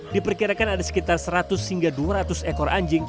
diperkirakan ada sekitar seratus hingga dua ratus ekor anjing